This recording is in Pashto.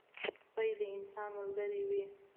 سپي د انسان ملګری وي.